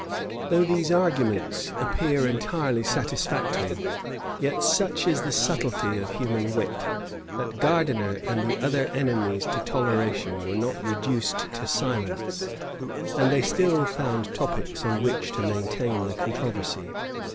Though these arguments appear entirely satisfactory, yet such is the subtlety of human wit, that Gardiner and the other enemies to toleration were not reduced to silence; and they still found topics on which to maintain the controversy.